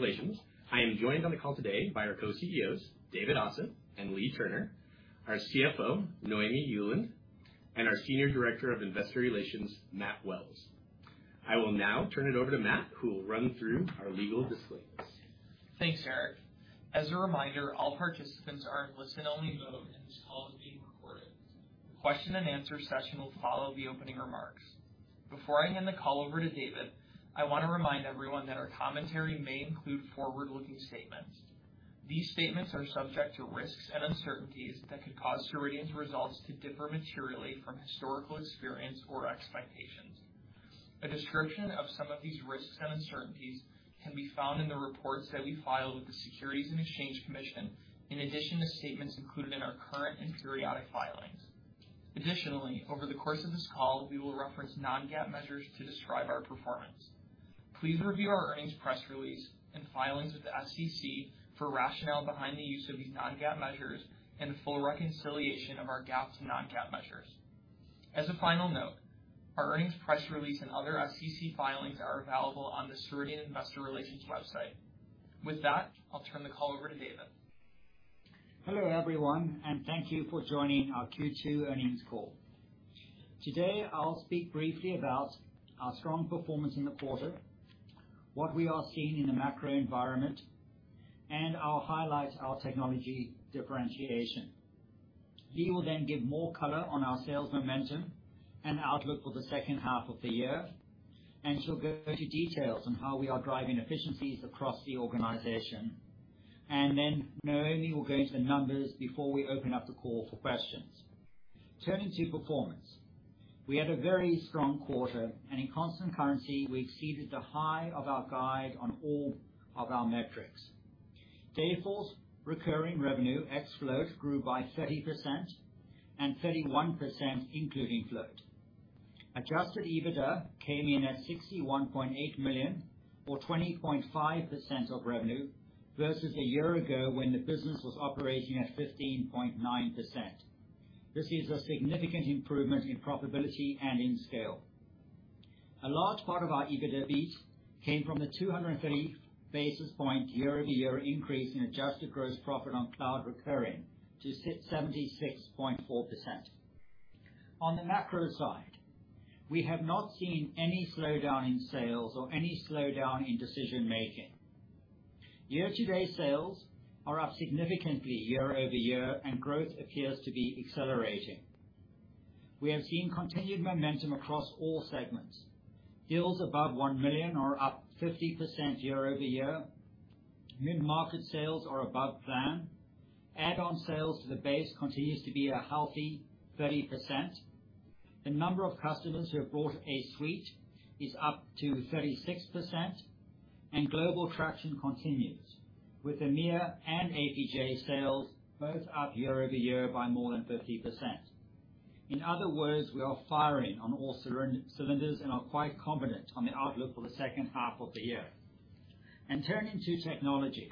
Relations. I am joined on the call today by our co-CEOs, David Ossip and Leagh Turner, our CFO, Noémie Heuland, and our Senior Director of Investor Relations, Matt Wells. I will now turn it over to Matt, who will run through our legal disclaimers. Thanks, Erik. As a reminder, all participants are in listen-only mode, and this call is being recorded. Question and answer session will follow the opening remarks. Before I hand the call over to David, I wanna remind everyone that our commentary may include forward-looking statements. These statements are subject to risks and uncertainties that could cause Ceridian's results to differ materially from historical experience or expectations. A description of some of these risks and uncertainties can be found in the reports that we file with the Securities and Exchange Commission in addition to statements included in our current and periodic filings. Additionally, over the course of this call, we will reference non-GAAP measures to describe our performance. Please review our earnings press release and filings with the SEC for rationale behind the use of these non-GAAP measures and full reconciliation of our GAAP to non-GAAP measures. As a final note, our earnings press release and other SEC filings are available on the Ceridian Investor Relations website. With that, I'll turn the call over to David. Hello, everyone, and thank you for joining our Q2 earnings call. Today, I'll speak briefly about our strong performance in the quarter, what we are seeing in the macro environment, and I'll highlight our technology differentiation. Leagh will then give more color on our sales momentum and outlook for the second half of the year, and she'll go into details on how we are driving efficiencies across the organization. Noémie will go into the numbers before we open up the call for questions. Turning to performance, we had a very strong quarter, and in constant currency, we exceeded the high of our guide on all of our metrics. Dayforce recurring revenue ex-float grew by 30% and 31% including float. Adjusted EBITDA came in at $61.8 million or 20.5% of revenue versus a year ago when the business was operating at 15.9%. This is a significant improvement in profitability and in scale. A large part of our EBITDA beat came from the 203 basis point year-over-year increase in adjusted gross profit on cloud recurring sits at 76.4%. On the macro side, we have not seen any slowdown in sales or any slowdown in decision-making. Year-to-date sales are up significantly year-over-year and growth appears to be accelerating. We have seen continued momentum across all segments. Deals above $1 million are up 50% year-over-year. Mid-market sales are above plan. Add-on sales to the base continues to be a healthy 30%. The number of customers who have bought a suite is up to 36%. Global traction continues, with EMEA and APJ sales both up year-over-year by more than 50%. In other words, we are firing on all cylinders and are quite confident on the outlook for the second half of the year. Turning to technology.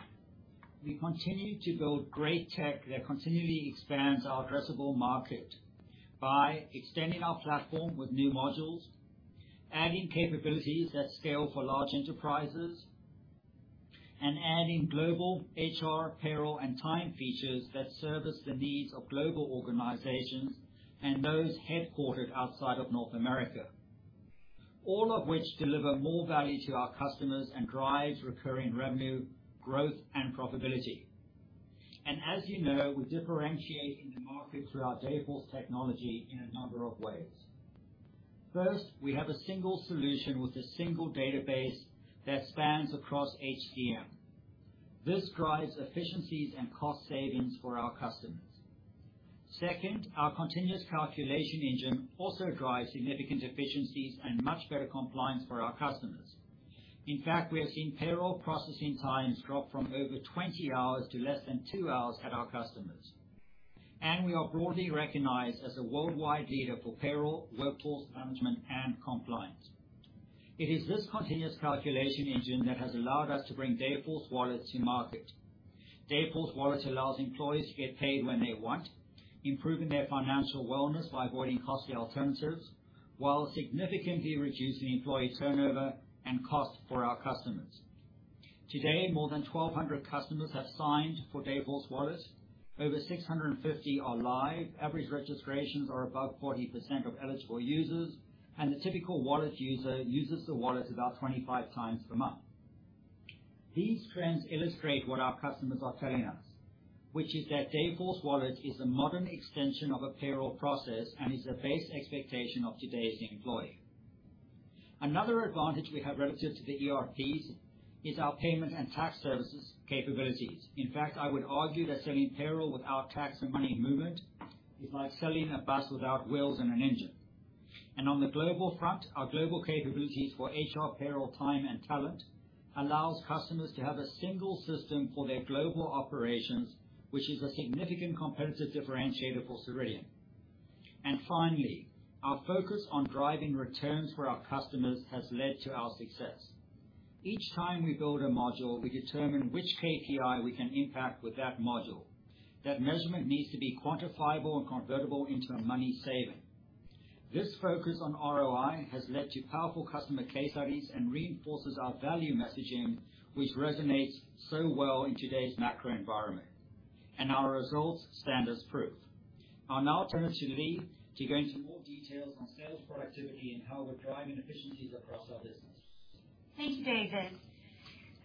We continue to build great tech that continually expands our addressable market by extending our platform with new modules, adding capabilities that scale for large enterprises, and adding global HR, payroll, and time features that service the needs of global organizations and those headquartered outside of North America. All of which deliver more value to our customers and drives recurring revenue, growth, and profitability. As you know, we differentiate in the market through our Dayforce technology in a number of ways. First, we have a single solution with a single database that spans across HCM. This drives efficiencies and cost savings for our customers. Second, our continuous calculation engine also drives significant efficiencies and much better compliance for our customers. In fact, we have seen payroll processing times drop from over 20 hours to less than two hours at our customers. We are broadly recognized as a worldwide leader for payroll, workforce management, and compliance. It is this continuous calculation engine that has allowed us to bring Dayforce Wallet to market. Dayforce Wallet allows employees to get paid when they want, improving their financial wellness by avoiding costly alternatives while significantly reducing employee turnover and cost for our customers. Today, more than 1,200 customers have signed for Dayforce Wallet. Over 650 are live. Average registrations are above 40% of eligible users, and the typical Wallet user uses the Wallet about 25 times per month. These trends illustrate what our customers are telling us, which is that Dayforce Wallet is a modern extension of a payroll process and is the base expectation of today's employee. Another advantage we have relative to the ERPs is our payment and tax services capabilities. In fact, I would argue that selling payroll without tax and money movement is like selling a bus without wheels and an engine. On the global front, our global capabilities for HR, payroll, time, and talent allows customers to have a single system for their global operations, which is a significant competitive differentiator for Ceridian. Finally, our focus on driving returns for our customers has led to our success. Each time we build a module, we determine which KPI we can impact with that module. That measurement needs to be quantifiable and convertible into a money saving. This focus on ROI has led to powerful customer case studies and reinforces our value messaging, which resonates so well in today's macro environment, and our results stand as proof. I'll now turn it to Leagh to go into more details on sales productivity and how we're driving efficiencies across our business. Thank you, David.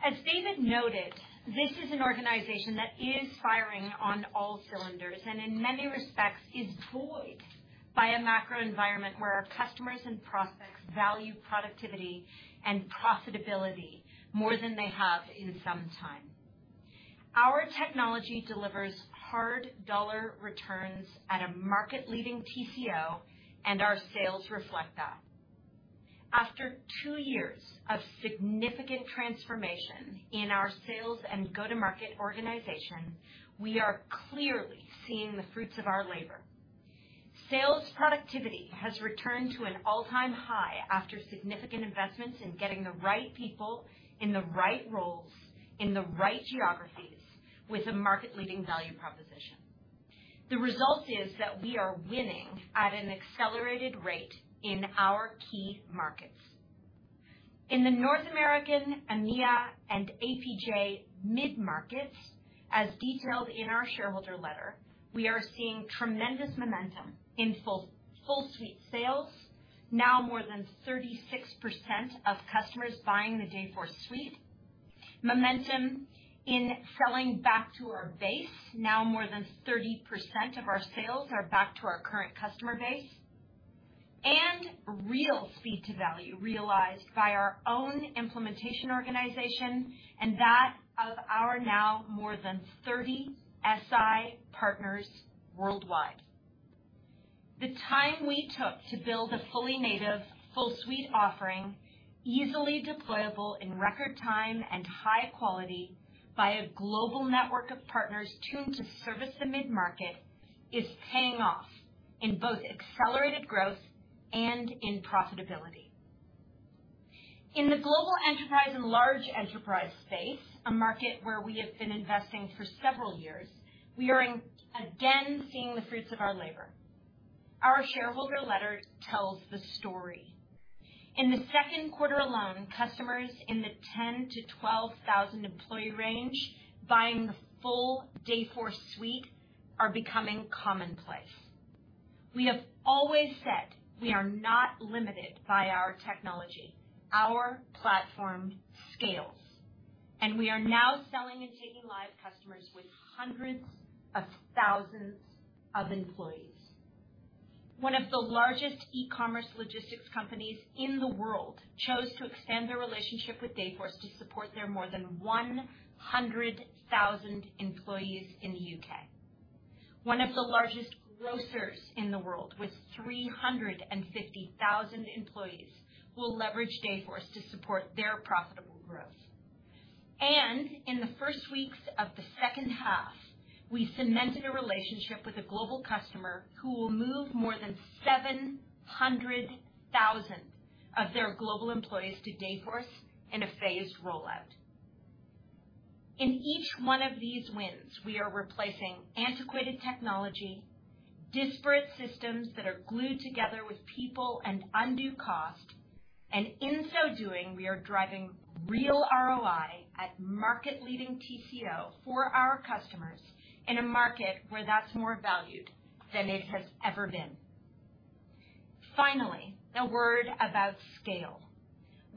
As David noted, this is an organization that is firing on all cylinders, and in many respects is buoyed by a macro environment where our customers and prospects value productivity and profitability more than they have in some time. Our technology delivers hard dollar returns at a market-leading TCO, and our sales reflect that. After two years of significant transformation in our sales and go-to-market organization, we are clearly seeing the fruits of our labor. Sales productivity has returned to an all-time high after significant investments in getting the right people in the right roles in the right geographies with a market-leading value proposition. The result is that we are winning at an accelerated rate in our key markets. In the North American, EMEA, and APJ mid-markets, as detailed in our shareholder letter, we are seeing tremendous momentum in full suite sales. Now more than 36% of customers buying the Dayforce suite. Momentum in selling back to our base. Now more than 30% of our sales are back to our current customer base. Real speed to value realized by our own implementation organization, and that of our now more than 30 SI partners worldwide. The time we took to build a fully native, full suite offering, easily deployable in record time and high quality by a global network of partners tuned to service the mid-market is paying off in both accelerated growth and in profitability. In the global enterprise and large enterprise space, a market where we have been investing for several years, we are again seeing the fruits of our labor. Our shareholder letter tells the story. In the second quarter alone, customers in the 10-12,000 employee range buying the full Dayforce suite are becoming commonplace. We have always said we are not limited by our technology. Our platform scales, and we are now selling and taking live customers with hundreds of thousands of employees. One of the largest e-commerce logistics companies in the world chose to extend their relationship with Dayforce to support their more than 100,000 employees in the U.K. One of the largest grocers in the world, with 350,000 employees will leverage Dayforce to support their profitable growth. In the first weeks of the second half, we cemented a relationship with a global customer who will move more than 700,000 of their global employees to Dayforce in a phased rollout. In each one of these wins, we are replacing antiquated technology, disparate systems that are glued together with people and undue cost. In so doing, we are driving real ROI at market-leading TCO for our customers in a market where that's more valued than it has ever been. Finally, a word about scale.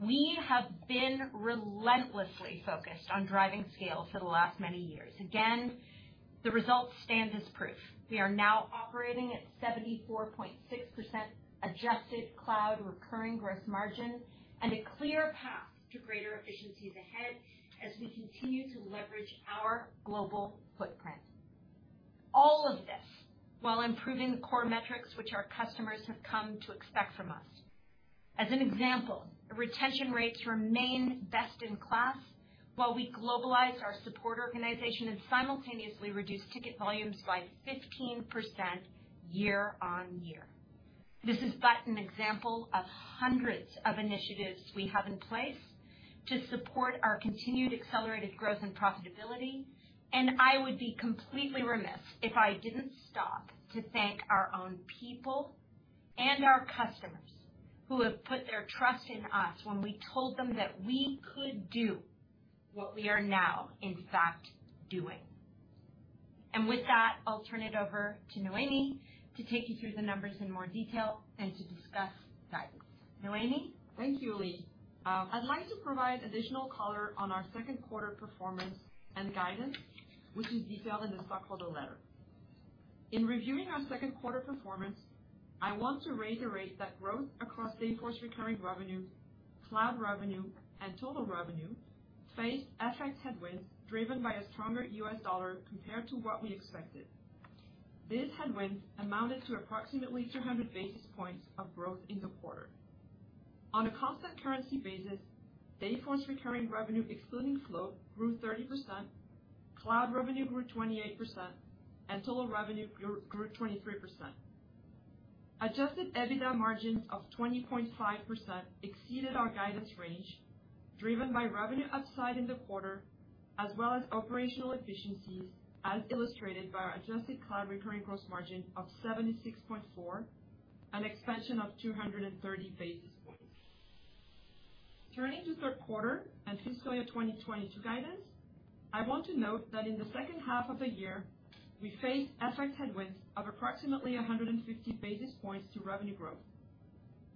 We have been relentlessly focused on driving scale for the last many years. Again, the results stand as proof. We are now operating at 74.6% adjusted cloud recurring gross margin, and a clear path to greater efficiencies ahead as we continue to leverage our global footprint. All of this while improving the core metrics which our customers have come to expect from us. As an example, retention rates remain best in class while we globalize our support organization and simultaneously reduce ticket volumes by 15% year-on-year. This is but an example of hundreds of initiatives we have in place to support our continued accelerated growth and profitability, and I would be completely remiss if I didn't stop to thank our own people and our customers who have put their trust in us when we told them that we could do what we are now in fact doing. With that, I'll turn it over to Noémie to take you through the numbers in more detail and to discuss guidance. Noémie? Thank you, Leagh. I'd like to provide additional color on our second quarter performance and guidance, which is detailed in the stockholder letter. In reviewing our second quarter performance, I want to reiterate that growth across Dayforce recurring revenue, cloud revenue, and total revenue faced FX headwinds driven by a stronger U.S. dollar compared to what we expected. These headwinds amounted to approximately 200 basis points of growth in the quarter. On a constant currency basis, Dayforce recurring revenue excluding flow grew 30%, cloud revenue grew 28%, and total revenue grew 23%. Adjusted EBITDA margin of 20.5% exceeded our guidance range. Driven by revenue upside in the quarter, as well as operational efficiencies, as illustrated by our adjusted cloud recurring gross margin of 76.4, an expansion of 230 basis points. Turning to third quarter and fiscal year 2022 guidance, I want to note that in the second half of the year, we face FX headwinds of approximately 150 basis points to revenue growth.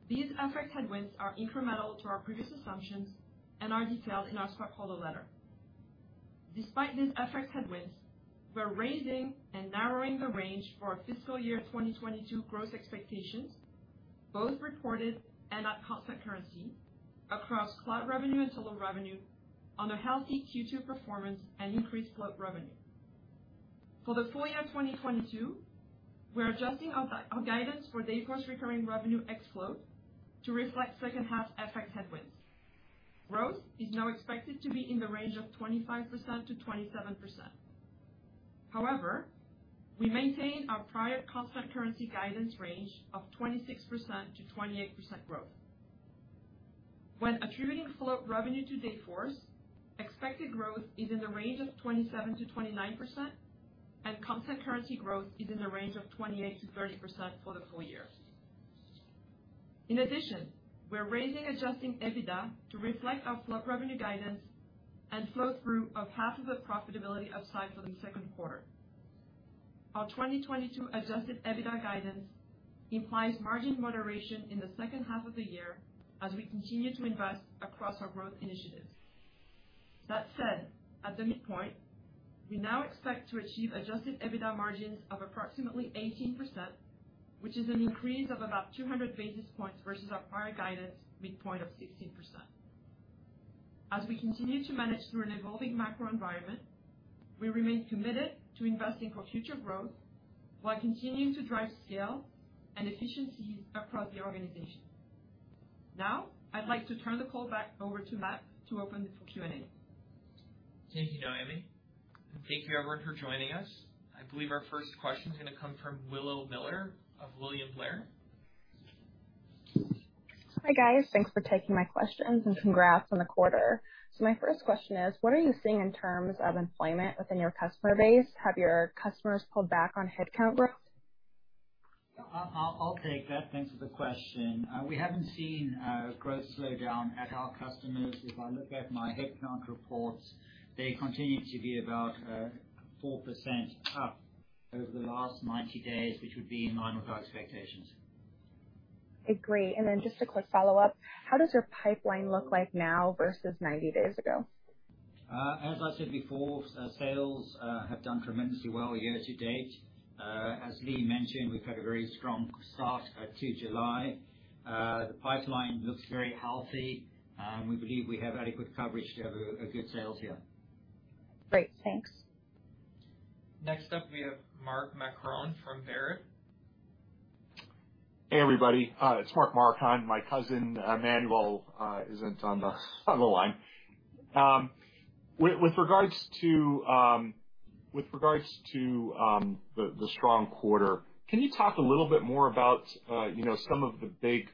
These FX headwinds are incremental to our previous assumptions and are detailed in our shareholder letter. Despite these FX headwinds, we're raising and narrowing the range for our fiscal year 2022 growth expectations, both reported and at constant currency, across cloud revenue and total revenue on the healthy Q2 performance and increased float revenue. For the full year 2022, we're adjusting our guidance for Dayforce recurring revenue ex-float to reflect second half FX headwinds. Growth is now expected to be in the range of 25%-27%. However, we maintain our prior constant currency guidance range of 26%-28% growth. When attributing float revenue to Dayforce, expected growth is in the range of 27%-29%, and constant currency growth is in the range of 28%-30% for the full year. In addition, we're raising adjusted EBITDA to reflect our float revenue guidance and flow-through of half of the profitability upside for the second quarter. Our 2022 adjusted EBITDA guidance implies margin moderation in the second half of the year as we continue to invest across our growth initiatives. That said, at the midpoint, we now expect to achieve adjusted EBITDA margins of approximately 18%, which is an increase of about two hundred basis points versus our prior guidance midpoint of 16%. As we continue to manage through an evolving macro environment, we remain committed to investing for future growth while continuing to drive scale and efficiencies across the organization. Now, I'd like to turn the call back over to Matt to open the Q&A. Thank you, Noémie, and thank you everyone for joining us. I believe our first question is gonna come from Willow Miller of William Blair. Hi, guys. Thanks for taking my questions and congrats on the quarter. My first question is, what are you seeing in terms of employment within your customer base? Have your customers pulled back on headcount growth? I'll take that. Thanks for the question. We haven't seen growth slow down at our customers. If I look at my headcount reports, they continue to be about 4% up over the last 90 days, which would be in line with our expectations. Okay, great. Just a quick follow-up. How does your pipeline look like now versus 90 days ago? As I said before, sales have done tremendously well year to date. As Leagh mentioned, we've had a very strong start to July. The pipeline looks very healthy, and we believe we have adequate coverage to have a good sales year. Great. Thanks. Next up, we have Mark Marcon from Baird. Hey, everybody. It's Mark Marcon. My cousin, Manuel, isn't on the line. With regards to the strong quarter, can you talk a little bit more about some of the big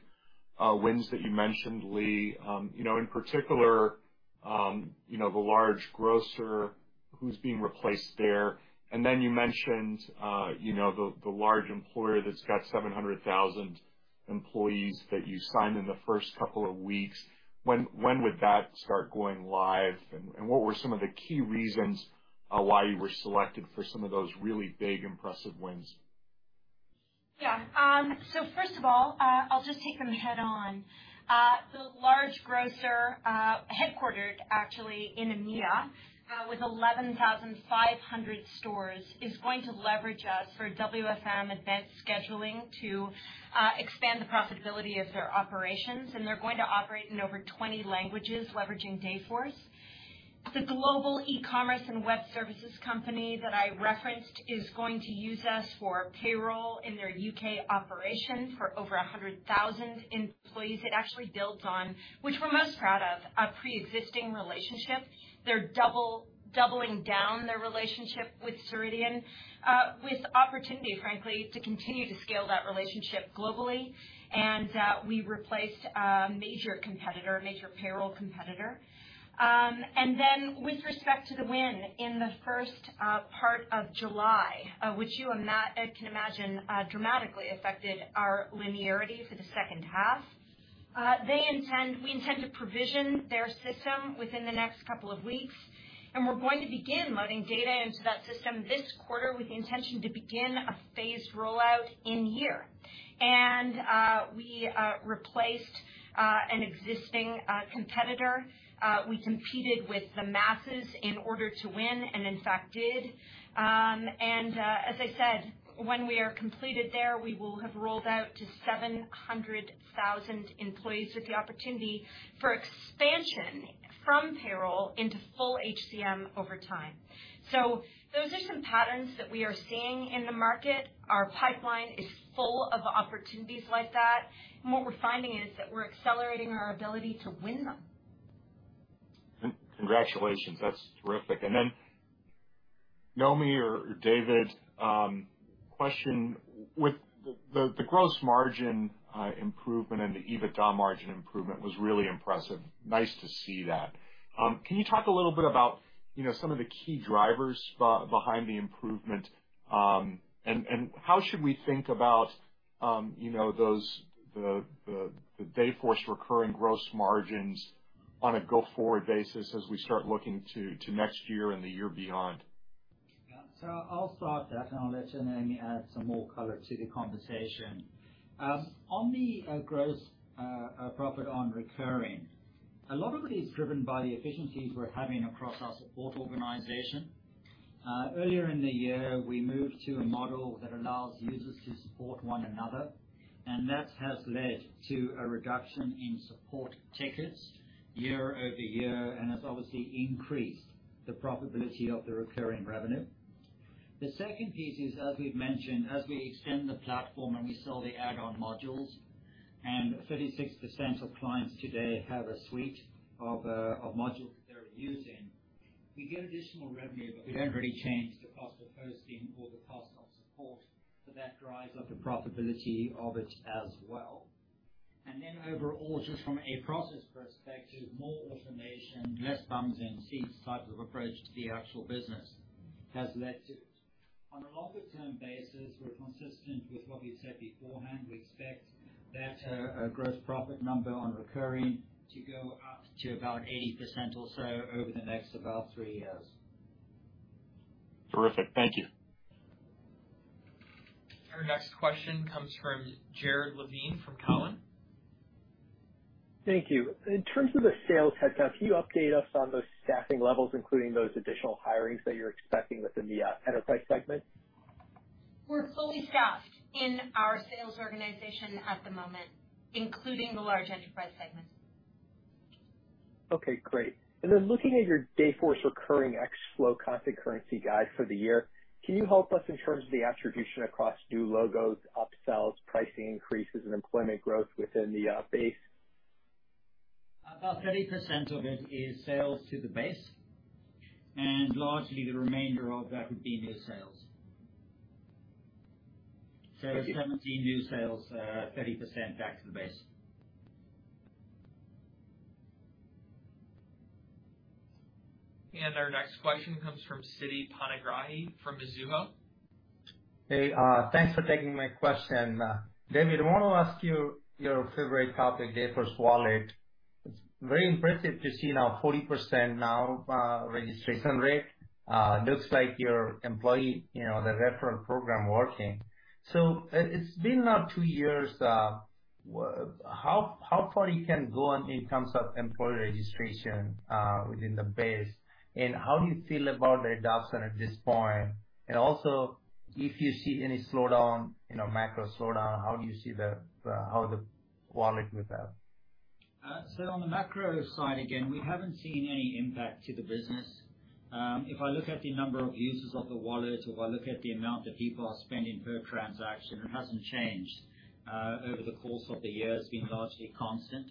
wins that you mentioned, Leagh, you know, in particular, the large grocer who's being replaced there. And then you mentioned the large employer that's got 700,000 employees that you signed in the first couple of weeks. When would that start going live? And what were some of the key reasons, why you were selected for some of those really big, impressive wins? Yeah. So first of all, I'll just take them head on. The large grocer, headquartered actually in EMEA, with 11,500 stores is going to leverage us for WFM advanced scheduling to expand the profitability of their operations, and they're going to operate in over 20 languages, leveraging Dayforce. The global e-commerce and web services company that I referenced is going to use us for payroll in their U.K. operation for over 100,000 employees. It actually builds on, which we're most proud of, a preexisting relationship. They're doubling down their relationship with Ceridian, with opportunity, frankly, to continue to scale that relationship globally. We replaced a major competitor, a major payroll competitor. With respect to the win in the first part of July, which you can imagine dramatically affected our linearity for the second half, we intend to provision their system within the next couple of weeks, and we're going to begin loading data into that system this quarter with the intention to begin a phased rollout in year. We replaced an existing competitor. We competed with the masses in order to win and in fact, did. As I said, when we are completed there, we will have rolled out to 700,000 employees with the opportunity for expansion from payroll into full HCM over time. Those are some patterns that we are seeing in the market. Our pipeline is full of opportunities like that. What we're finding is that we're accelerating our ability to win them. Congratulations. That's terrific. Noémie or David, question. With the gross margin improvement and the EBITDA margin improvement was really impressive. Nice to see that. Can you talk a little bit about some of the key drivers behind the improvement, and how should we think about those, the Dayforce recurring gross margins on a go-forward basis as we start looking to next year and the year beyond? Yeah. I'll start that, and I'll let Noémie add some more color to the conversation. On the gross profit on recurring, a lot of it is driven by the efficiencies we're having across our support organization. Earlier in the year, we moved to a model that allows users to support one another, and that has led to a reduction in support tickets year-over-year and has obviously increased the profitability of the recurring revenue. The second piece is, as we've mentioned, as we extend the platform and we sell the add-on modules, and 36% of clients today have a suite of modules that they're using, we get additional revenue, but we don't really change the cost of hosting or the cost of support, so that drives up the profitability of it as well. Overall, just from a process perspective, more automation, less bums in seats type of approach to the actual business has led to. On a longer term basis, we're consistent with what we said beforehand. We expect that, gross profit number on recurring to go up to about 80% or so over the next about three years. Terrific. Thank you. Our next question comes from Jared Levine from Cowen. Thank you. In terms of the sales headcount, can you update us on those staffing levels, including those additional hirings that you're expecting within the enterprise segment? We're fully staffed in our sales organization at the moment, including the large enterprise segments. Okay, great. Looking at your Dayforce recurring revenue growth constant currency guide for the year, can you help us in terms of the attribution across new logos, upsells, pricing increases, and employment growth within the base? About 30% of it is sales to the base, and largely the remainder of that would be new sales. 17 new sales, 30% back to the base. Our next question comes from Siti Panigrahi from Mizuho. Hey, thanks for taking my question. David, I wanna ask you your favorite topic, Dayforce Wallet. It's very impressive to see now 40% registration rate. Looks like your employee, you know, the referral program working. It's been now two years. How far you can go in terms of employee registration, within the base, and how do you feel about the adoption at this point? If you see any slowdown, macro slowdown, how do you see how the Wallet with that? On the macro side, again, we haven't seen any impact to the business. If I look at the number of users of the Wallet or if I look at the amount that people are spending per transaction, it hasn't changed over the course of the year. It's been largely constant.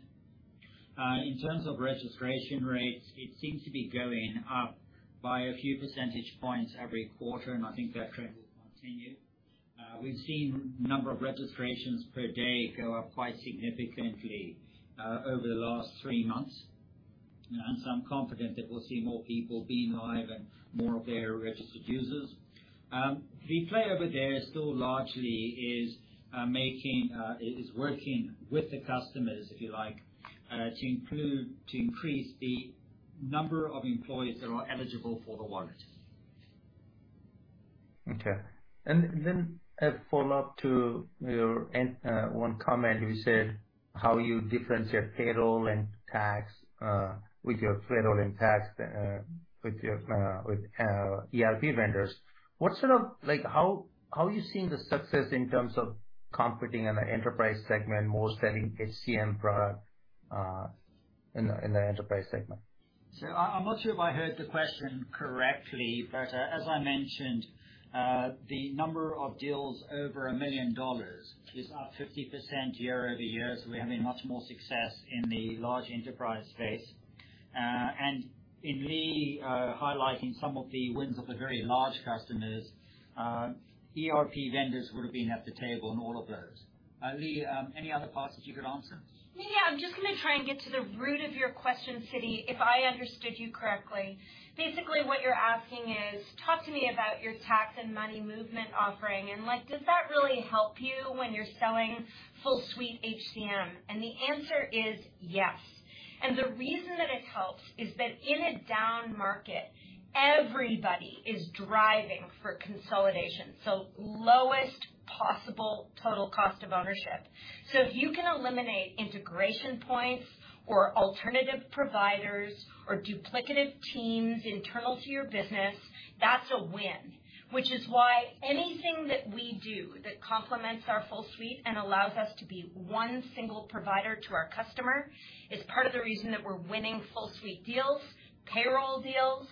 In terms of registration rates, it seems to be going up by a few percentage points every quarter, and I think that trend will continue. We've seen number of registrations per day go up quite significantly over the last three months. I'm confident that we'll see more people being live and more of their registered users. The play over there still largely is working with the customers, if you like, to increase the number of employees that are eligible for the Wallet. Okay. Then a follow-up to your one comment you said, how you differentiate payroll and tax with ERP vendors. What sort of like, how are you seeing the success in terms of competing in the enterprise segment, more selling HCM product in the enterprise segment? I'm not sure if I heard the question correctly, but as I mentioned, the number of deals over $1 million is up 50% year-over-year, so we're having much more success in the large enterprise space. In light of Leagh Turner highlighting some of the wins of the very large customers, ERP vendors would've been at the table in all of those. Leagh, any other parts that you could answer? Yeah. I'm just gonna try and get to the root of your question, Siti, if I understood you correctly. Basically, what you're asking is, "Talk to me about your tax and money movement offering, and, like, does that really help you when you're selling full suite HCM?" The answer is yes. The reason that it helps is that in a down market, everybody is driving for consolidation, so lowest possible total cost of ownership. If you can eliminate integration points or alternative providers or duplicative teams internal to your business, that's a win. Which is why anything that we do that complements our full suite and allows us to be one single provider to our customer is part of the reason that we're winning full suite deals, payroll deals,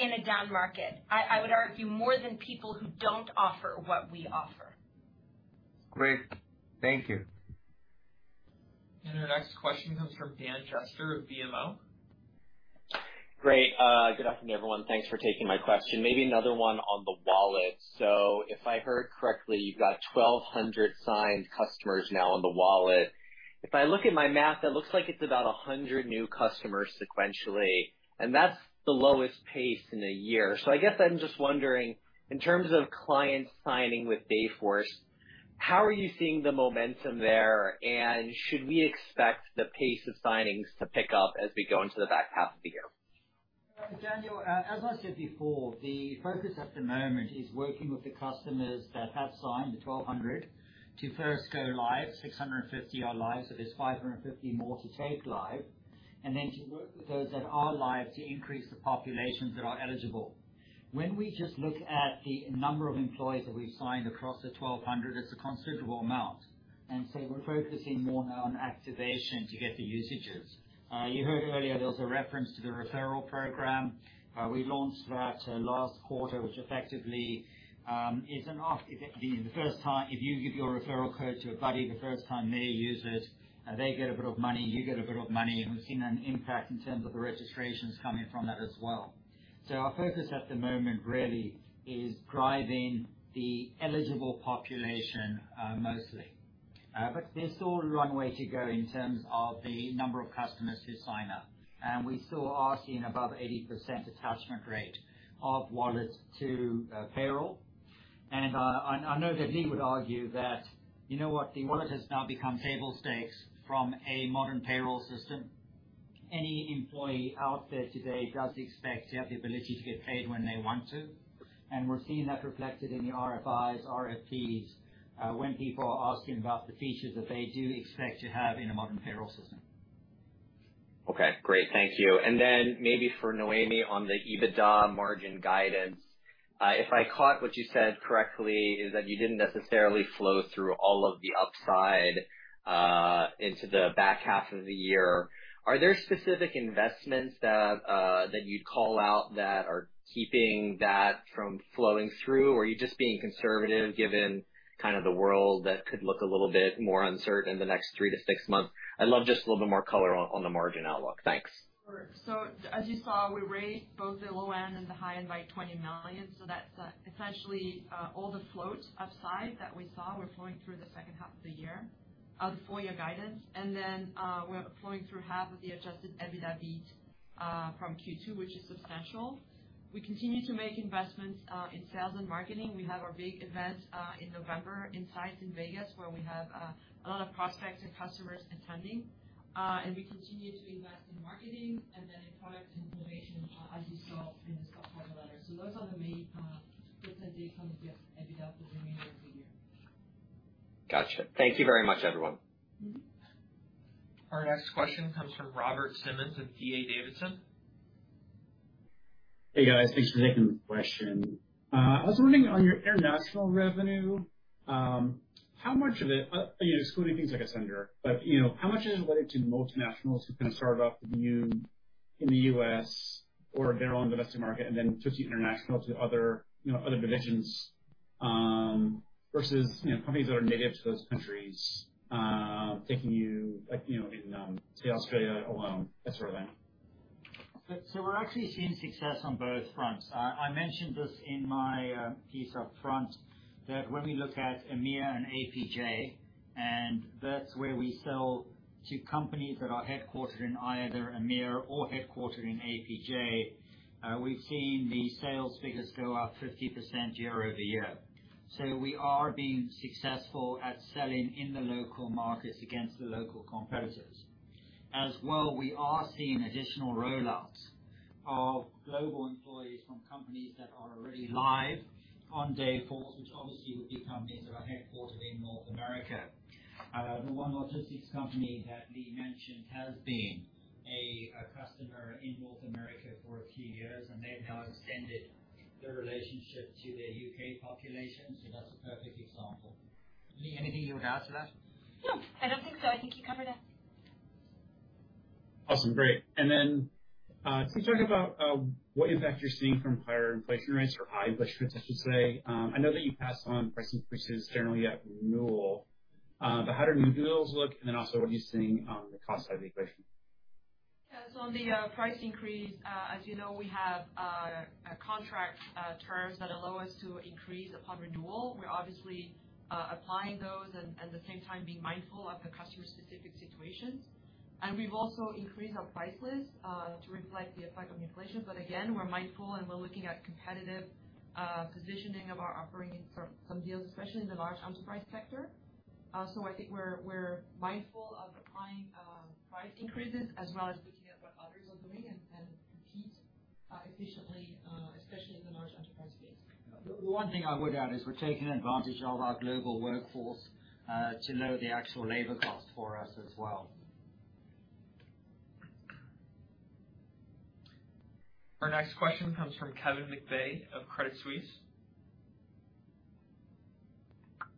in a down market, I would argue more than people who don't offer what we offer. Great. Thank you. Our next question comes from Dan Jester of BMO. Great. Good afternoon, everyone. Thanks for taking my question. Maybe another one on the Wallet. If I heard correctly, you've got 1,200 signed customers now on the Wallet. If I look at my math, that looks like it's about 100 new customers sequentially, and that's the lowest pace in a year. I guess I'm just wondering, in terms of clients signing with Dayforce, how are you seeing the momentum there? And should we expect the pace of signings to pick up as we go into the back half of the year? Daniel, as I said before, the focus at the moment is working with the customers that have signed the 1,200 to first go live, 650 are live, so there's 550 more to take live. Then to work with those that are live to increase the populations that are eligible. When we just look at the number of employees that we've signed across the 1,200, it's a considerable amount. We're focusing more now on activation to get the usages. You heard earlier there was a reference to the referral program. We launched that last quarter, which effectively is an offer. If it be the first time. If you give your referral code to a buddy the first time they use it, they get a bit of money, you get a bit of money, and we've seen an impact in terms of the registrations coming from that as well. Our focus at the moment really is driving the eligible population, mostly. There's still a long way to go in terms of the number of customers who sign up. We still are seeing above 80% attachment rate of wallets to payroll. I know that Leagh would argue that, you know what, the Wallet has now become table stakes from a modern payroll system. Any employee out there today does expect to have the ability to get paid when they want to, and we're seeing that reflected in the RFIs, RFPs, when people are asking about the features that they do expect to have in a modern payroll system. Okay, great. Thank you. Maybe for Noémie on the EBITDA margin guidance. If I caught what you said correctly, is that you didn't necessarily flow through all of the upside into the back half of the year. Are there specific investments that you'd call out that are keeping that from flowing through? Or are you just being conservative given kind of the world that could look a little bit more uncertain in the next three to six months? I'd love just a little bit more color on the margin outlook. Thanks. Sure. As you saw, we raised both the low end and the high end by $20 million, so that's essentially all the flow upside that we saw. We're flowing through the second half of the year of the full year guidance. We're flowing through half of the adjusted EBITDA beat from Q2, which is substantial. We continue to make investments in sales and marketing. We have our big event in November, INSIGHTS in Vegas, where we have a lot of prospects and customers attending. We continue to invest in marketing and then in product innovation, as you saw in the quarter letter. Those are the main different details on the EBITDA for the remainder of the year. Gotcha. Thank you very much, everyone. Our next question comes from Robert Simmons of D.A. Davidson. Hey, guys. Thanks for taking the question. I was wondering on your international revenue, how much of it, excluding things like Ascender, but how much of it is related to multinationals who kind of start off with you in the U.S. or generally in the domestic market and then switch to international to other divisions, versus companies that are native to those countries, taking you like, you know, in, say Australia alone, that sort of thing? We're actually seeing success on both fronts. I mentioned this in my piece up front, that when we look at EMEA and APJ, and that's where we sell to companies that are headquartered in either EMEA or headquartered in APJ, we've seen the sales figures go up 50% year-over-year. We are being successful at selling in the local markets against the local competitors. As well, we are seeing additional roll-ups of global employees from companies that are already live on Dayforce, which obviously would be companies that are headquartered in North America. The one logistics company that Leagh mentioned has been a customer in North America for a few years, and they've now extended their relationship to their U.K. population, so that's a perfect example. Leagh, anything you would add to that? No, I don't think so. I think you covered it. Awesome. Great. Can you talk about what impact you're seeing from higher inflation rates or high inflation, I should say. I know that you pass on price increases generally at renewal, but how do renewals look? What are you seeing on the cost side of the equation? Yeah. On the price increase, as you know, we have contract terms that allow us to increase upon renewal. We're obviously applying those and, at the same time, being mindful of the customer's specific situations. We've also increased our price list to reflect the effect of inflation. Again, we're mindful, and we're looking at competitive positioning of our offerings for some deals, especially in the large enterprise sector. I think we're mindful of applying price increases as well as looking at what others are doing and compete efficiently, especially in the large enterprise space. One thing I would add is we're taking advantage of our global workforce to lower the actual labor cost for us as well. Our next question comes from Kevin McVeigh of Credit Suisse.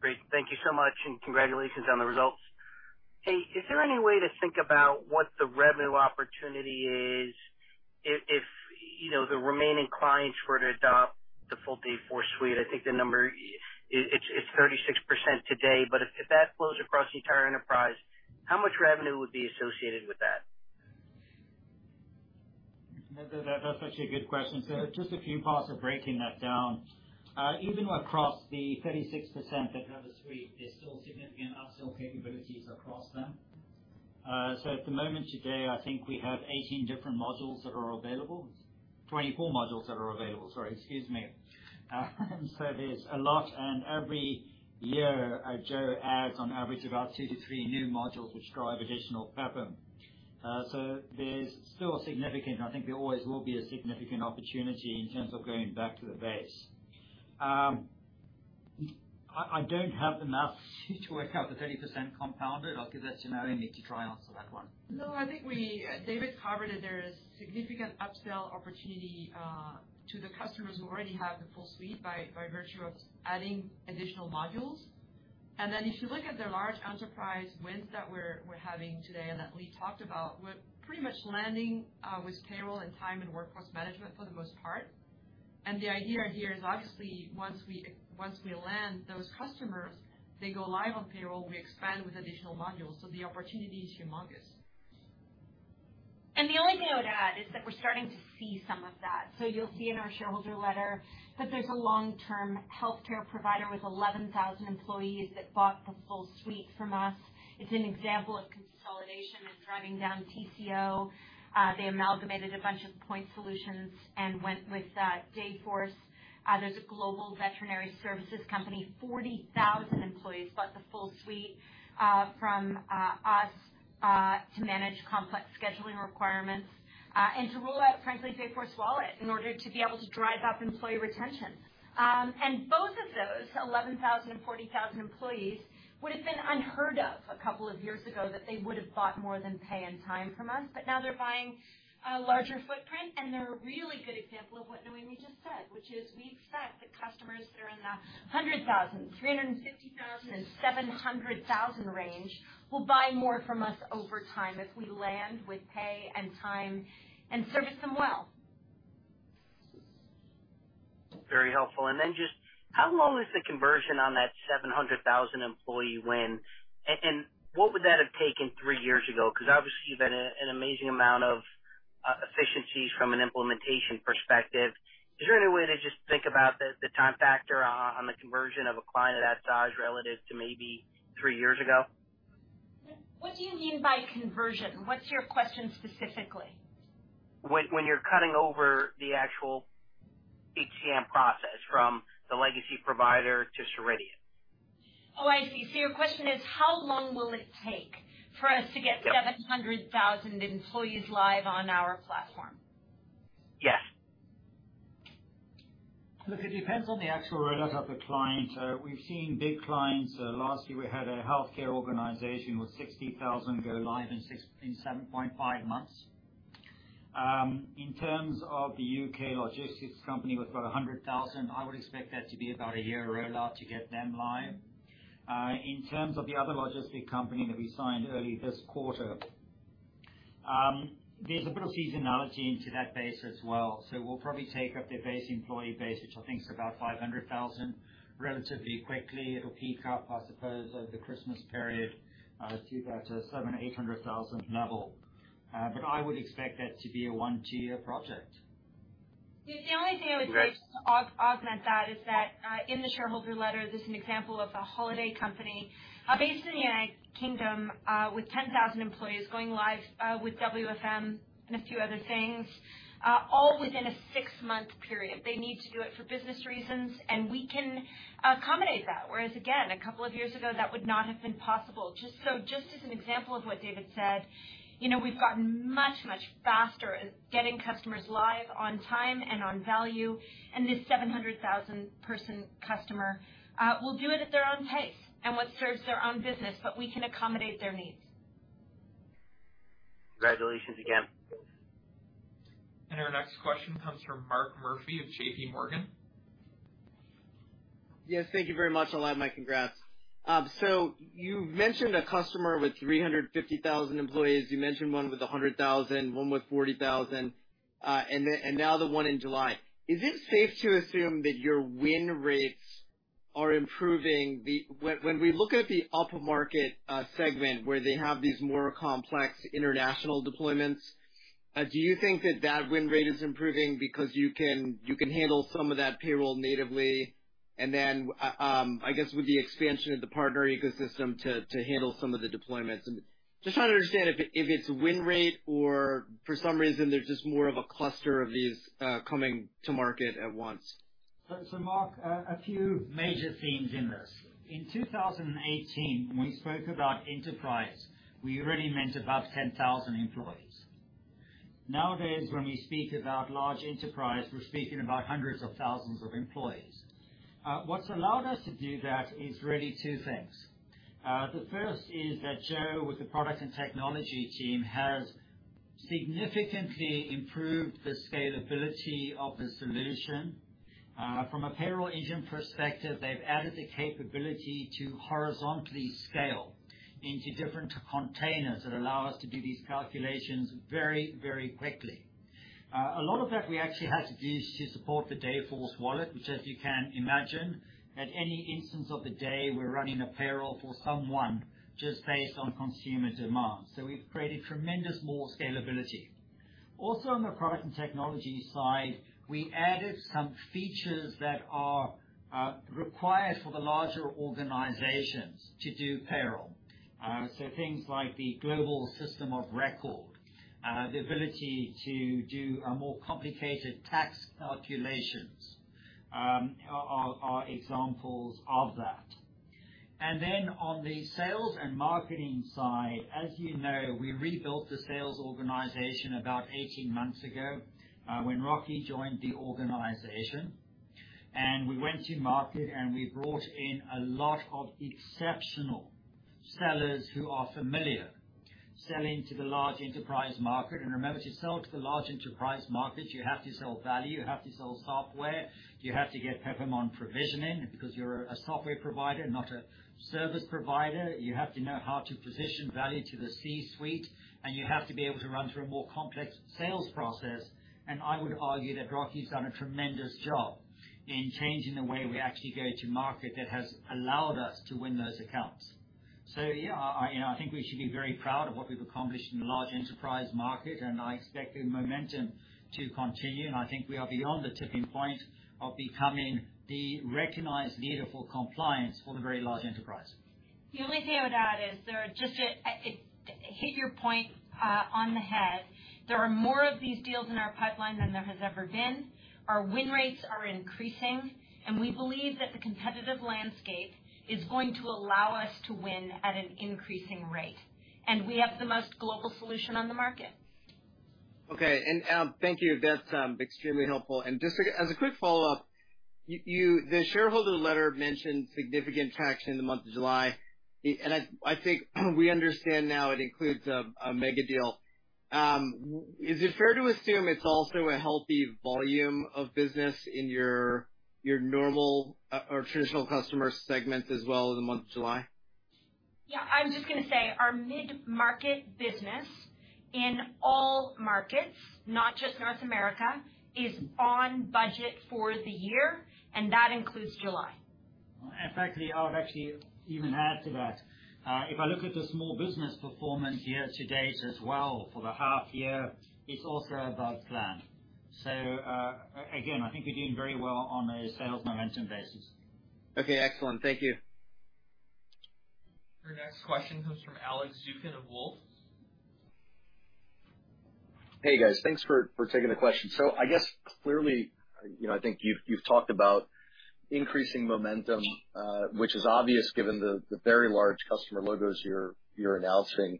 Great. Thank you so much, and congratulations on the results. Hey, is there any way to think about what the revenue opportunity is if the remaining clients were to adopt the full Dayforce suite. I think the number is, it's 36% today, but if that flows across the entire enterprise, how much revenue would be associated with that? That's actually a good question. Just a few parts of breaking that down. Even across the 36% that have a suite, there's still significant upsell capabilities across them. At the moment today, I think we have 18 different modules that are available. 24 modules that are available. Sorry. Excuse me. There's a lot, and every year, Joe adds on average about 2-3 new modules which drive additional PEPM. There's still significant. I think there always will be a significant opportunity in terms of going back to the base. I don't have the math to work out the 30% compounded. I'll give that to Noémie to try and answer that one. No, I think David covered it. There is significant upsell opportunity to the customers who already have the full suite by virtue of adding additional modules. If you look at the large enterprise wins that we're having today and that Leagh talked about, we're pretty much landing with payroll and time and workforce management for the most part. The idea here is obviously once we land those customers, they go live on payroll, we expand with additional modules. The opportunity is humongous. The only thing I would add is that we're starting to see some of that. You'll see in our shareholder letter that there's a long-term healthcare provider with 11,000 employees that bought the full suite from us. It's an example of consolidation and driving down TCO. They amalgamated a bunch of point solutions and went with Dayforce. There's a global veterinary services company, 40,000 employees, bought the full suite from us to manage complex scheduling requirements and to roll out, frankly, Dayforce Wallet in order to be able to drive up employee retention. Both of those, 11,000 and 40,000 employees, would have been unheard of a couple of years ago that they would have bought more than Pay and Time from us, but now they're buying a larger footprint, and they're a really good example of what Noémie just said, which is we expect that customers that are in the 100,000, 350,000, and 700,000 range will buy more from us over time as we land with Pay and Time and service them well. Very helpful. Just how long is the conversion on that 700,000 employee win? What would that have taken three years ago? Because obviously you've had an amazing amount of efficiencies from an implementation perspective. Is there any way to just think about the time factor on the conversion of a client of that size relative to maybe three years ago? What do you mean by conversion? What's your question specifically? When you're cutting over the actual HCM process from the legacy provider to Ceridian. Oh, I see. Your question is how long will it take for us to get 700,000 employees live on our platform? Yeah. Look, it depends on the actual rollout of the client. We've seen big clients. Last year we had a healthcare organization with 60,000 go live in 7.5 months. In terms of the U.K. logistics company, we've got a 100,000. I would expect that to be about a year rollout to get them live. In terms of the other logistic company that we signed early this quarter, there's a bit of seasonality into that base as well. We'll probably take up their base, employee base, which I think is about 500,000, relatively quickly. It'll peak up, I suppose, over the Christmas period, to about 700,000-800,000 level. I would expect that to be a 1-2 year project. The only thing I would like to augment that is that, in the shareholder letter, there's an example of a holiday company based in the United Kingdom with 10,000 employees going live with WFM and a few other things all within a six-month period. They need to do it for business reasons, and we can accommodate that. Whereas again, a couple of years ago, that would not have been possible. Just as an example of what David said, we've gotten much, much faster at getting customers live on time and on value, and this 700,000 person customer will do it at their own pace and what serves their own business, but we can accommodate their needs. Congratulations again. Our next question comes from Mark Murphy of JPMorgan. Yes, thank you very much. I'll add my congrats. So you mentioned a customer with 350,000 employees. You mentioned one with 100,000, one with 40,000, and then and now the one in July. Is it safe to assume that your win rates are improving? When we look at the upper market segment, where they have these more complex international deployments, do you think that that win rate is improving because you can handle some of that payroll natively and then, I guess with the expansion of the partner ecosystem to handle some of the deployments? I'm just trying to understand if it's win rate or for some reason there's just more of a cluster of these coming to market at once. Mark, a few major themes in this. In 2018, when we spoke about enterprise, we really meant about 10,000 employees. Nowadays, when we speak about large enterprise, we're speaking about hundreds of thousands of employees. What's allowed us to do that is really two things. The first is that Joe, with the product and technology team, has significantly improved the scalability of the solution. From a payroll engine perspective, they've added the capability to horizontally scale into different containers that allow us to do these calculations very, very quickly. A lot of that we actually had to do is to support the Dayforce Wallet, which, as you can imagine, at any instant of the day, we're running a payroll for someone just based on consumer demand. We've created tremendous more scalability. Also, on the product and technology side, we added some features that are required for the larger organizations to do payroll. Things like the global system of record, the ability to do more complicated tax calculations, are examples of that. On the sales and marketing side, as you know, we rebuilt the sales organization about 18 months ago, when Rocky joined the organization. We went to market, and we brought in a lot of exceptional sellers who are familiar selling to the large enterprise market. Remember, to sell to the large enterprise market, you have to sell value, you have to sell software, you have to get PEPM pricing because you're a software provider, not a service provider. You have to know how to position value to the C-suite, and you have to be able to run through a more complex sales process. I would argue that Rocky's done a tremendous job in changing the way we actually go to market that has allowed us to win those accounts. Yeah, I think we should be very proud of what we've accomplished in the large enterprise market, and I expect the momentum to continue. I think we are beyond the tipping point of becoming the recognized leader for compliance for the very large enterprise. The only thing I would add is it hit your point on the head. There are more of these deals in our pipeline than there has ever been. Our win rates are increasing, and we believe that the competitive landscape is going to allow us to win at an increasing rate, and we have the most global solution on the market. Okay. Thank you. That's extremely helpful. Just as a quick follow-up, the shareholder letter mentioned significant traction in the month of July. I think we understand now it includes a mega deal. Is it fair to assume it's also a healthy volume of business in your normal or traditional customer segment as well in the month of July? Yeah, I'm just gonna say our mid-market business in all markets, not just North America, is on budget for the year, and that includes July. Frankly, I would actually even add to that. If I look at the small business performance year to date as well for the half year, it's also above plan. Again, I think we're doing very well on a sales momentum basis. Okay, excellent. Thank you. Your next question comes from Alex Zukin of Wolfe. Hey, guys. Thanks for taking the question. I guess clearly, you know, I think you've talked about increasing momentum, which is obvious given the very large customer logos you're announcing,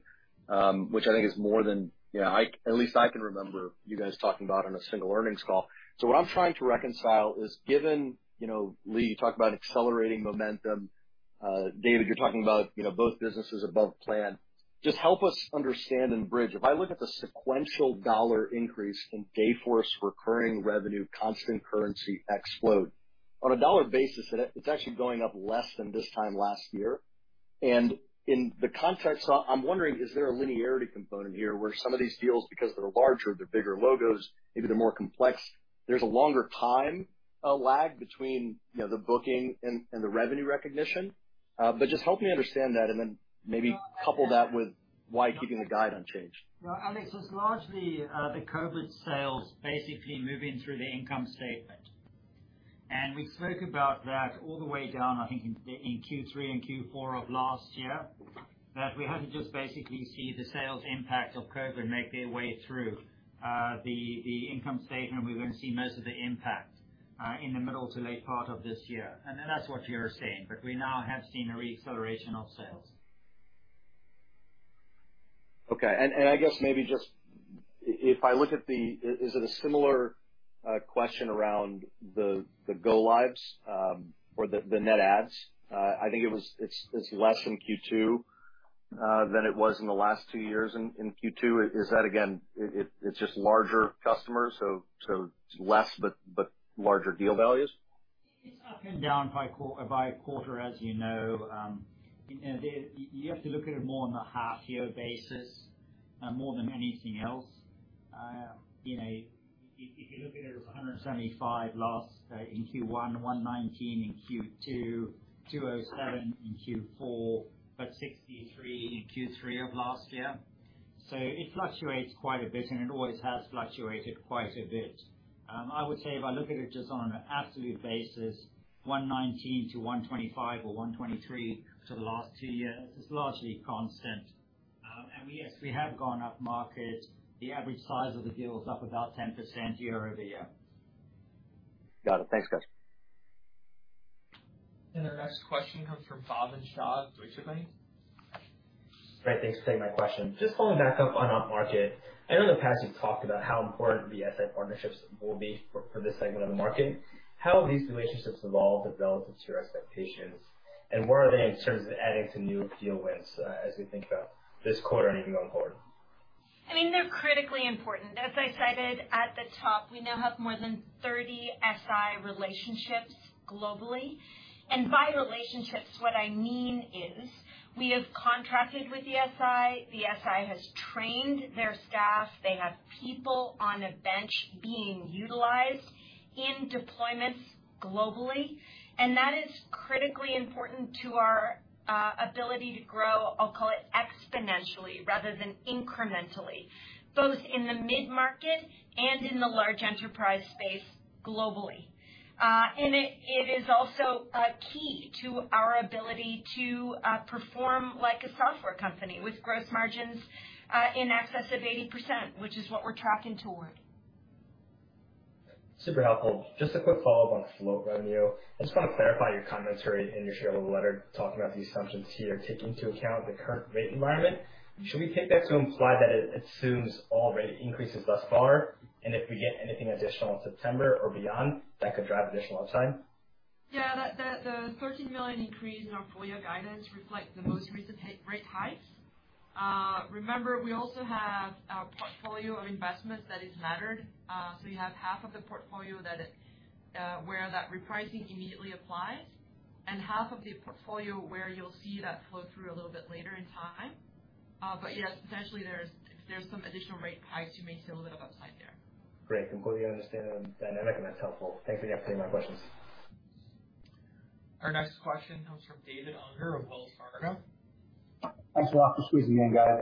which I think is more than at least I can remember you guys talking about on a single earnings call. What I'm trying to reconcile is given, Leagh, you talk about accelerating momentum. David, you're talking about both businesses above plan. Just help us understand and bridge. If I look at the sequential dollar increase in Dayforce recurring revenue, constant currency ex-float. On a dollar basis, it's actually going up less than this time last year. In the context, I'm wondering, is there a linearity component here where some of these deals, because they're larger, they're bigger logos, maybe they're more complex, there's a longer time, lag between the booking and the revenue recognition? But just help me understand that and then maybe couple that with why keeping the guide unchanged. Well, Alex, it's largely the COVID sales basically moving through the income statement. We spoke about that all the way down, I think, in Q3 and Q4 of last year, that we had to just basically see the sales impact of COVID make their way through the income statement. We're gonna see most of the impact in the middle to late part of this year. That's what you're seeing. We now have seen a re-acceleration of sales. Okay. I guess maybe just if I look at the. Is it a similar question around the go lives, or the net adds? I think it was. It's less in Q2 than it was in the last two years in Q2. Is that again, it's just larger customers, so less but larger deal values? It's up and down by quarter, as you know. You have to look at it more on a half year basis more than anything else. If you look at it was 175 last in Q1, 119 in Q2, 207 in Q4, but 63 in Q3 of last year. It fluctuates quite a bit, and it always has fluctuated quite a bit. I would say if I look at it just on an absolute basis, 119-125 or 123 for the last two years is largely constant. Yes, we have gone up market. The average size of the deal is up about 10% year-over-year. Got it. Thanks, guys. Our next question comes from Bhavin Shah of Deutsche Bank. Right. Thanks for taking my question. Just following back up on upmarket. I know in the past you've talked about how important the asset partnerships will be for this segment of the market. How have these relationships evolved relative to your expectations, and where are they in terms of adding to new deal wins as we think about this quarter and even going forward? I mean, they're critically important. As I cited at the top, we now have more than 30 SI relationships globally. By relationships, what I mean is we have contracted with the SI. The SI has trained their staff. They have people on a bench being utilized in deployments globally, and that is critically important to our ability to grow, I'll call it exponentially rather than incrementally, both in the mid-market and in the large enterprise space globally. It is also a key to our ability to perform like a software company with gross margins in excess of 80%, which is what we're tracking toward. Super helpful. Just a quick follow-up on float, Noémie. I just want to clarify your commentary in your shareholder letter talking about the assumptions here, taking into account the current rate environment. Should we take that to imply that it assumes all rate increases thus far, and if we get anything additional in September or beyond, that could drive additional upside? Yeah, the $13 million increase in our full year guidance reflects the most recent rate hikes. Remember, we also have a portfolio of investments that is laddered. So you have half of the portfolio where that repricing immediately applies, and half of the portfolio where you'll see that flow through a little bit later in time. Yes, potentially there's some additional rate hikes you may see a little bit of upside there. Great. Completely understand the dynamic, and that's helpful. Thanks again for taking my questions. Our next question comes from David Unger of Wells Fargo. Thanks a lot for squeezing me in, guys.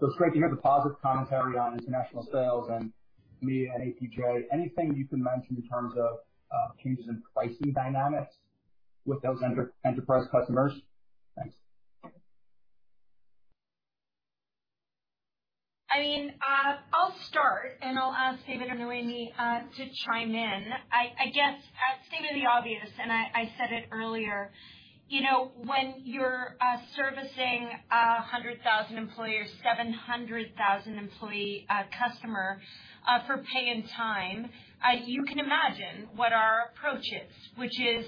It's great to hear the positive commentary on international sales and EMEA and APJ. Anything you can mention in terms of changes in pricing dynamics with those enterprise customers? Thanks. I mean, I'll start, and I'll ask David or Noémie to chime in. I guess I'd state the obvious, and I said it earlier. When you're servicing a 100,000-employee or 700,000-employee customer for pay and time, you can imagine what our approach is, which is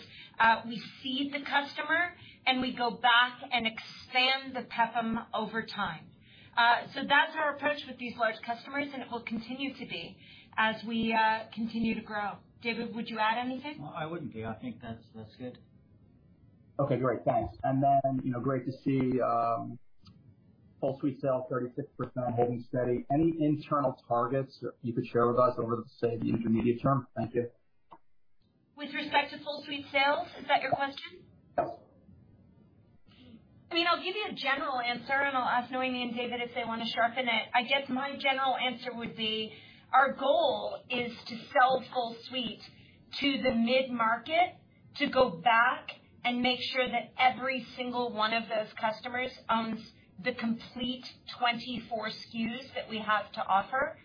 we seed the customer and we go back and expand the PEPM over time. So that's our approach with these large customers, and it will continue to be as we continue to grow. David, would you add anything? No, I wouldn't, Leagh. I think that's good. Okay, great. Thanks. Great to see full suite sale 36% holding steady. Any internal targets you could share with us over the, say, intermediate term? Thank you. With respect to full suite sales, is that your question? I mean, I'll give you a general answer, and I'll ask Noémie and David if they want to sharpen it. I guess my general answer would be our goal is to sell full suite to the mid-market to go back and make sure that every single one of those customers owns the complete 24 SKUs that we have to offer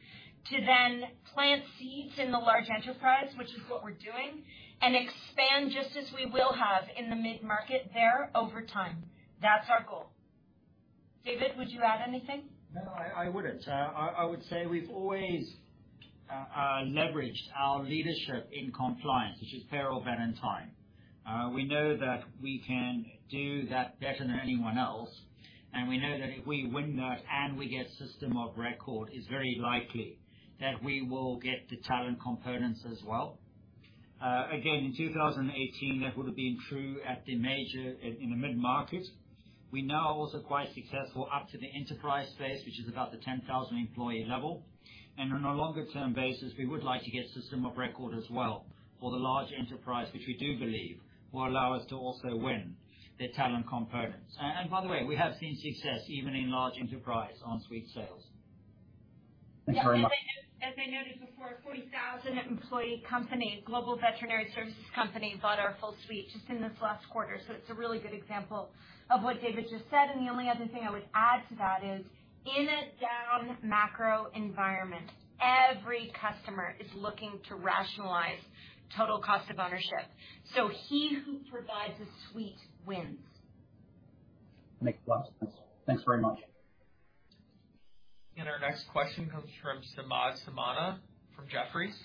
to then plant seeds in the large enterprise, which is what we're doing, and expand just as we will have in the mid-market there over time. That's our goal. David, would you add anything? No, I wouldn't. I would say we've always leveraged our leadership in compliance, which is payroll and time. We know that we can do that better than anyone else, and we know that if we win that and we get system of record, it's very likely that we will get the talent components as well. Again, in 2018, that would have been true in the mid-market. We now are also quite successful up to the enterprise space, which is about the 10,000 employee level. On a longer-term basis, we would like to get system of record as well for the large enterprise, which we do believe will allow us to also win the talent components. By the way, we have seen success even in large enterprise on suite sales. Thanks very much. As I noted before, a 40,000-employee, global veterinary services company bought our full suite just in this last quarter. It's a really good example of what David just said. The only other thing I would add to that is in a down macro environment, every customer is looking to rationalize total cost of ownership. He who provides a suite wins. Makes a lot of sense. Thanks very much. Our next question comes from Samad Samana from Jefferies.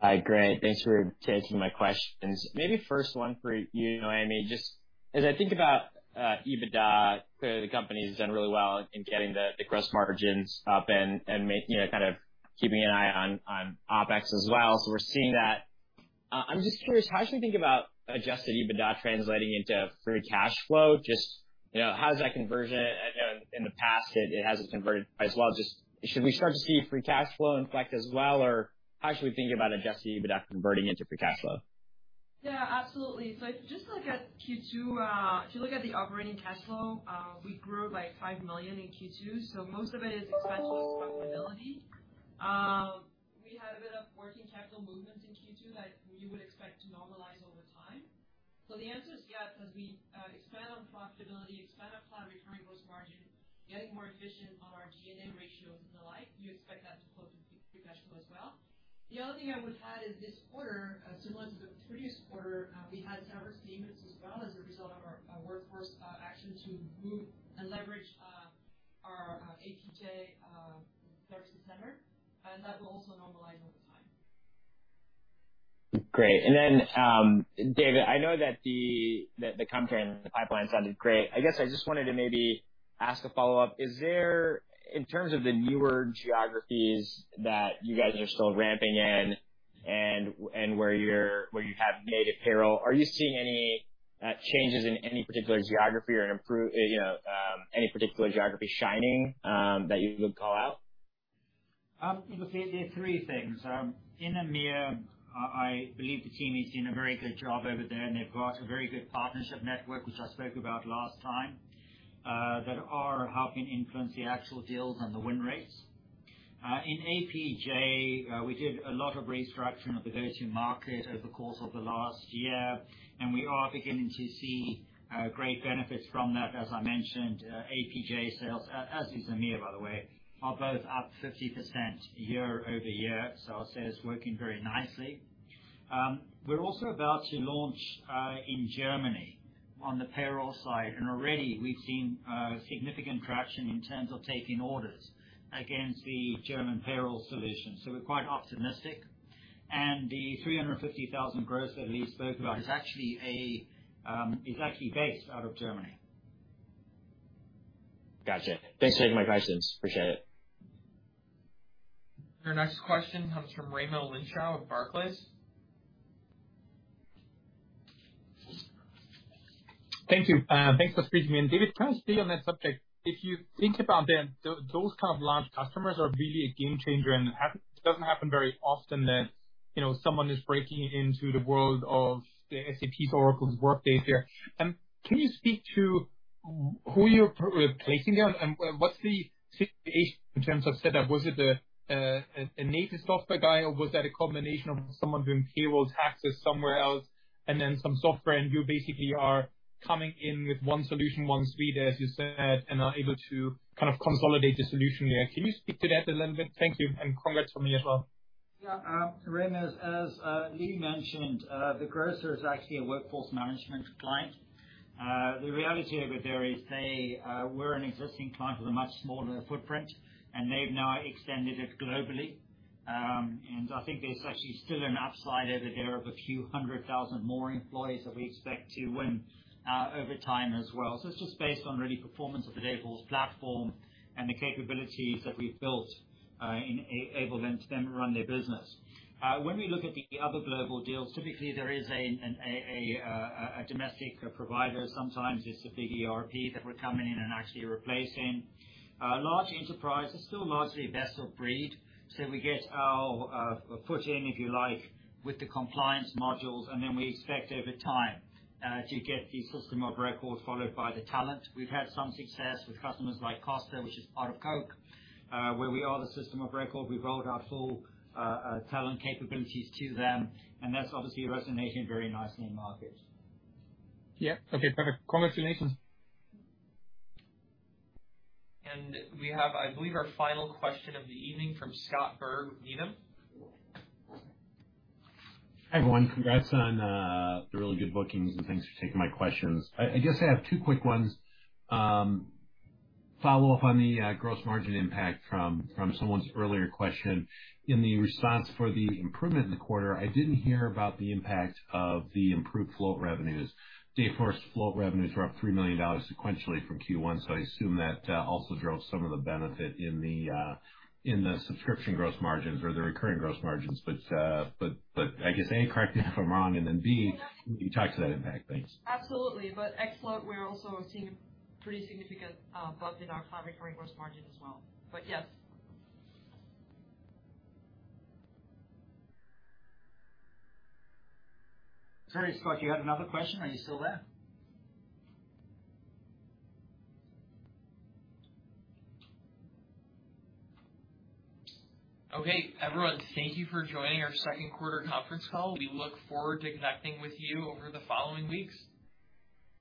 Hi, great. Thanks for taking my questions. Maybe first one for you, Noémie. Just as I think about EBITDA, clearly the company's done really well in getting the gross margins up and kind of keeping an eye on OpEx as well. We're seeing that. I'm just curious, how should we think about adjusted EBITDA translating into free cash flow? Just you know, how does that conversion. In the past, it hasn't converted as well. Just should we start to see free cash flow inflect as well? Or how should we think about adjusted EBITDA converting into free cash flow? Yeah, absolutely. If you just look at Q2, if you look at the operating cash flow, we grew by $5 million in Q2. Most of it is expense plus profitability. We had a bit of working capital movements in Q2 that you would expect to normalize over time. The answer is yes, as we expand on profitability, expand on cloud recurring gross margin, getting more efficient on our G&A ratios and the like, you expect that to flow to free cash flow as well. The other thing I would add is this quarter, similar to the previous quarter, we had severance payments as well as a result of our workforce action to move and leverage our APJ services center, and that will also normalize over time. Great. David, I know that the customer pipeline sounded great. I guess I just wanted to maybe ask a follow-up. Is there, in terms of the newer geographies that you guys are still ramping in and where you have native payroll, are you seeing any changes in any particular geography or improve any particular geography shining that you would call out? Look, there are three things. In EMEA, I believe the team is doing a very good job over there, and they've got a very good partnership network, which I spoke about last time, that are helping influence the actual deals and the win rates. In APJ, we did a lot of restructuring of the go-to-market over the course of the last year, and we are beginning to see great benefits from that. As I mentioned, APJ sales, as is EMEA, by the way, are both up 50% year-over-year. I'll say it's working very nicely. We're also about to launch in Germany on the payroll side, and already we've seen significant traction in terms of taking orders against the German payroll solution. We're quite optimistic. The 350,000 gross that Leagh spoke about is actually based out of Germany. Gotcha. Thanks for taking my questions. Appreciate it. Your next question comes from Raimo Lenschow of Barclays. Thank you. Thanks for squeezing me in. David, can I speak on that subject? If you think about them, those kind of large customers are really a game changer, and it doesn't happen very often that someone is breaking into the world of the SAP, Oracle, Workday there. Can you speak to who you're replacing there, and what's the situation in terms of setup? Was it a native software guy, or was that a combination of someone doing payroll taxes somewhere else and then some software, and you basically are coming in with one solution, one suite, as you said, and are able to kind of consolidate the solution there. Can you speak to that a little bit? Thank you, and congrats from me as well. Yeah, Raimo, as Leagh mentioned, the grocer is actually a workforce management client. The reality over there is they were an existing client with a much smaller footprint, and they've now extended it globally. I think there's actually still an upside over there of a few hundred thousand more employees that we expect to win over time as well. It's just based on real performance of the Dayforce platform and the capabilities that we've built, enable them to then run their business. When we look at the other global deals, typically there is a domestic provider. Sometimes it's a big ERP that we're coming in and actually replacing. Large enterprises, still largely best of breed, so we get our footing, if you like, with the compliance modules, and then we expect over time to get the system of record followed by the talent. We've had some success with customers like Costa, which is part of Coke, where we are the system of record. We rolled our full talent capabilities to them, and that's obviously resonating very nicely in market. Yeah. Okay, perfect. Congratulations. We have, I believe, our final question of the evening from Scott Berg with Needham. Hi, everyone. Congrats on the really good bookings and thanks for taking my questions. I just have two quick ones. Follow up on the gross margin impact from someone's earlier question. In the response for the improvement in the quarter, I didn't hear about the impact of the improved float revenues. Dayforce float revenues were up $3 million sequentially from Q1, so I assume that also drove some of the benefit in the subscription gross margins or the recurring gross margins. I guess, A, correct me if I'm wrong, and then, B, will you talk to that impact? Thanks. Absolutely. Ex-float, we're also seeing pretty significant bump in our cloud recurring gross margin as well. Yes. Sorry, Scott, you had another question? Are you still there? Okay, everyone, thank you for joining our second quarter conference call. We look forward to connecting with you over the following weeks.